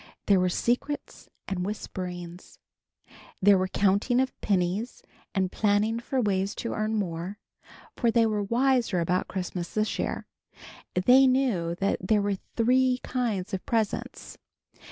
There were secrets and whisperings. There was counting of pennies and planning of ways to earn more, for they were wiser about Christmas this year. They knew that there are three kinds of presents.